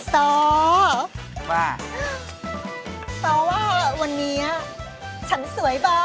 สตอร์ว่าสตอร์ว่าวันนี้ฉันสวยเปล่า